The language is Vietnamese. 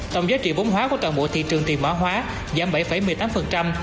tổng giá trị vốn hóa của toàn bộ thị trường tiền mã hóa giảm bảy một mươi tám